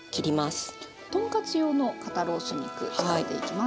とんかつ用の肩ロース肉使っていきます。